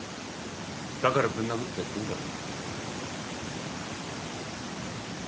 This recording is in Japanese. だからぶん殴ってやったんだろ。